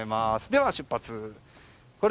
では、出発。